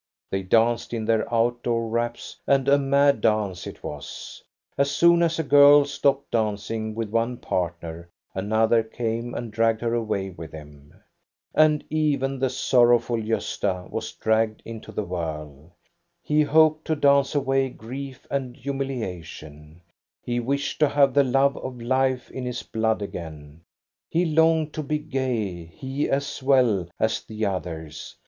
They danced in their out door wraps, and a mad dance it was. As soon as a girl stopped dancing with one partner, another came and dragged her away with him. And even the sorrowful Gosta was dragged into the whirl. He hoped to dance away grief and hu miliation ; he wished to have the love of life in his blood again ; he longed to be gay, he as well as the others.